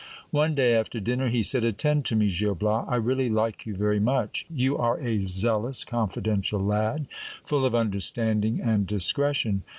One day after dinner, he said : Attend to me, Gil Bias. I really like you very much. You are a zealous, confidential lad, full of understanding and discretion.